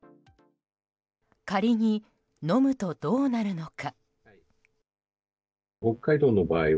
仮に飲むとどうなるのか。